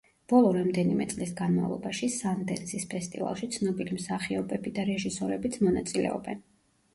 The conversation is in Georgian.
ბოლო რამდენიმე წლის განმავლობაში სანდენსის ფესტივალში ცნობილი მსახიობები და რეჟისორებიც მონაწილეობენ.